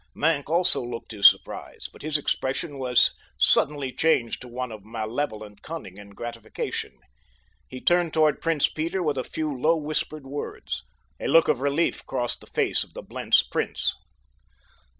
Maenck also looked his surprise, but his expression was suddenly changed to one of malevolent cunning and gratification. He turned toward Prince Peter with a few low whispered words. A look of relief crossed the face of the Blentz prince.